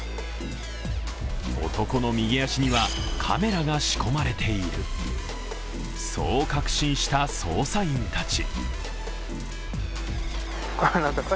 男の右足にはカメラが仕込まれている、そう確信した捜査員たち。